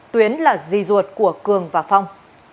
tuyến là di ruột của cường và phong